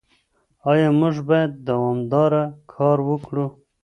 ايا موږ بايد دوامداره کار وکړو؟